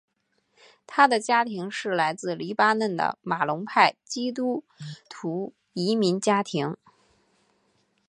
他的家庭是来自黎巴嫩的马龙派基督徒移民家庭。